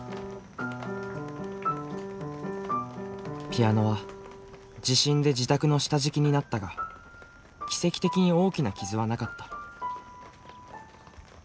ピアノは地震で自宅の下敷きになったが奇跡的に大きな傷はなかった。